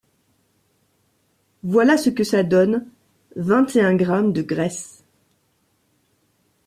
Voilà ce que ça donne, vingt et un grammes de graisse.